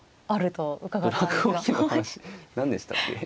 何でしたっけ。